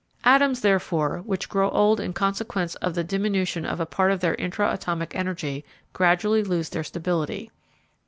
Atoms, therefore, which grow old in consequence of the diminution of a part of their intra atomic energy gradually lose their stability.